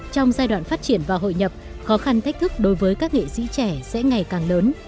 trong giai đoạn phát triển và hội nhập khó khăn thách thức đối với các nghệ sĩ trẻ sẽ ngày càng lớn